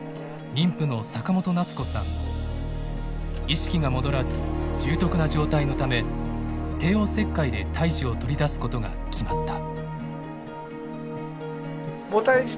意識が戻らず重篤な状態のため帝王切開で胎児を取り出すことが決まった。